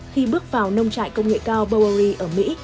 khi bước vào nông trại công nghệ cao bowery ở mỹ